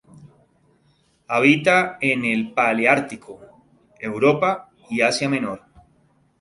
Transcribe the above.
Habita en el paleártico: Europa y Asia Menor.